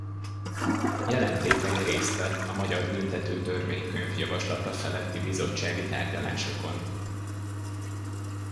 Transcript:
Jelentékeny részt vett a magyar büntető törvénykönyv javaslata feletti bizottsági tárgyalásokon.